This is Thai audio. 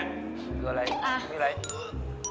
ที่นี่อะไรไงละ